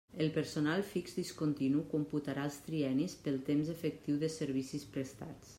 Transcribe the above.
El personal fix discontinu computarà els triennis pel temps efectiu de servicis prestats.